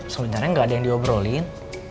sebenarnya nggak ada yang diobrolin